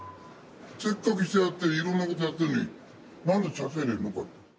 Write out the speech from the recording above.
せっかくしてやってるのに、いろんなことやってるのに、なんで茶々入れるのか？